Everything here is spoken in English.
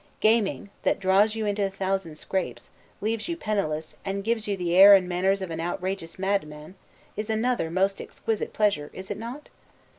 Gaming, that draws you into a thousand scrapes, leaves you penniless, and gives you the air and manners of an outrageous madman, is another most exquisite pleasure; is it not?